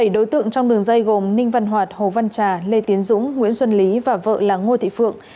bảy đối tượng trong đường dây gồm ninh văn hoạt hồ văn trà lê tiến dũng nguyễn xuân lý và vợ là ngô thị phượng